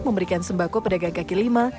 memberikan sembako pedagang kaki lima